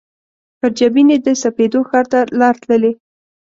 پر جبین یې د سپېدو ښار ته لار تللي